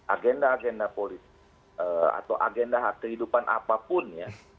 agenda agenda politik atau agenda hak kehidupan apapun ya